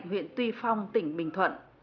nguyện tuy phong tỉnh bình thuận